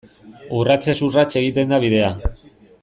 Urratsez urrats egiten da bidea.